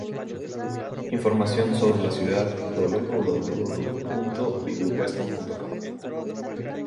Información sobre la ciudad wwww.vivirweston.com www.vivirweston.com